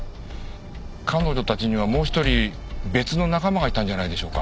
彼女たちにはもう１人別の仲間がいたんじゃないでしょうか？